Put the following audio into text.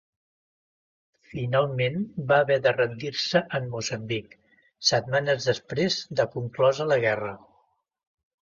Finalment, va haver de rendir-se en Moçambic, setmanes després de conclosa la guerra.